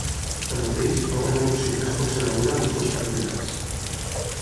Tanmateix, va guanyar l'opció més conservadora dels dos candidats.